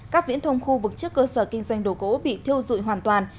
các viễn thông khu vực trước cơ sở kinh doanh đổ gỗ bị thiêu dụi hoàn toàn